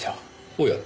おや？